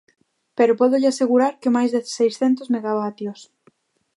Pero pódolle asegurar que máis de seiscentos megavatios.